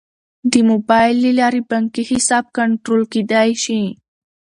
د موبایل له لارې بانکي حساب کنټرول کیدی شي.